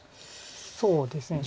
そうですね。